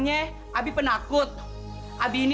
jadi gimana sekarang